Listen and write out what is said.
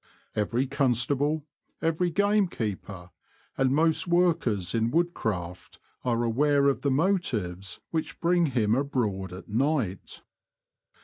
Every constable, every gamekeeper, and most workers in wood craft are aware of the motives which bring him abroad at night.